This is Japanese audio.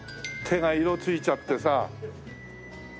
手が色ついちゃってさ。